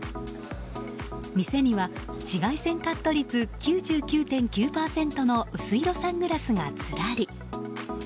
店には紫外線カット率９９．９％の薄色サングラスがずらり。